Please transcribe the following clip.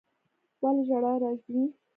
ولي ژړا راځي